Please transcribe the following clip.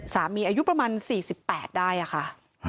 อายุประมาณ๔๘ได้ค่ะ